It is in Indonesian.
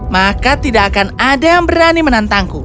maka tidak akan ada yang berani menantangku